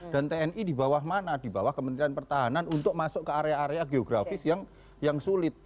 dan tni di bawah mana di bawah kementerian pertahanan untuk masuk ke area area geografis yang sulit